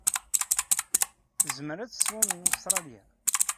Tezmer ad tettwamen Ustṛalya?